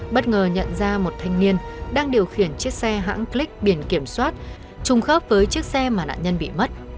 bất ngờ nhận ra một thanh niên đang điều khiển chiếc xe hãng cleak biển kiểm soát trùng khớp với chiếc xe mà nạn nhân bị mất